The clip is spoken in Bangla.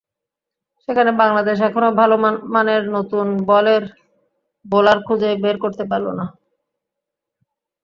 সেখানে বাংলাদেশ এখনো ভালো মানের নতুন বলের বোলার খুঁজেই বের করতে পারল না।